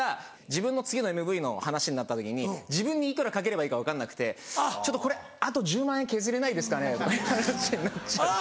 自分の次のＭＶの話になった時に自分にいくらかければいいか分かんなくて「ちょっとこれあと１０万円削れないですかね」とかいう話になっちゃう。